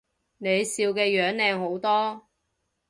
你笑嘅樣靚好多